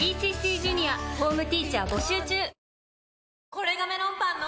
これがメロンパンの！